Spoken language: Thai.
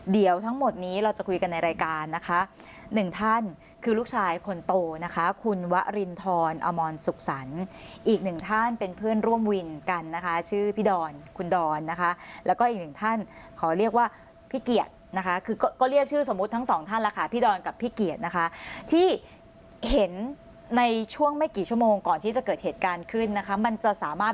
เดี๋ยวทั้งหมดนี้เราจะคุยกันในรายการนะคะหนึ่งท่านคือลูกชายคนโตนะคะคุณวรินทรอมรสุขสรรค์อีกหนึ่งท่านเป็นเพื่อนร่วมวินกันนะคะชื่อพี่ดอนคุณดอนนะคะแล้วก็อีกหนึ่งท่านขอเรียกว่าพี่เกียรตินะคะคือก็เรียกชื่อสมมุติทั้งสองท่านแล้วค่ะพี่ดอนกับพี่เกียรตินะคะที่เห็นในช่วงไม่กี่ชั่วโมงก่อนที่จะเกิดเหตุการณ์ขึ้นนะคะมันจะสามารถ